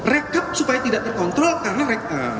rekap supaya tidak terkontrol karena